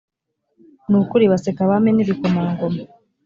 ni ukuri baseka abami n’ ibikomangoma